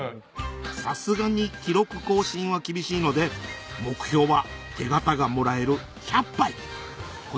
さすがに記録更新は厳しいので目標は手形がもらえる１００杯